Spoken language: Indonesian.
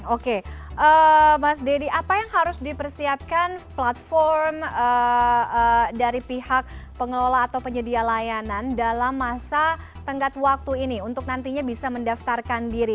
oke mas deddy apa yang harus dipersiapkan platform dari pihak pengelola atau penyedia layanan dalam masa tenggat waktu ini untuk nantinya bisa mendaftarkan diri